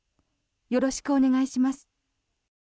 よろしくお願いします。